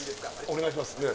お願いします